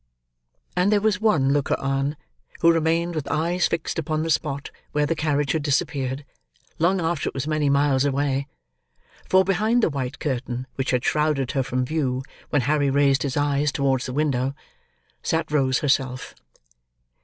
And there was one looker on, who remained with eyes fixed upon the spot where the carriage had disappeared, long after it was many miles away; for, behind the white curtain which had shrouded her from view when Harry raised his eyes towards the window, sat Rose herself.